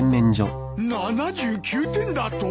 ７９点だと！？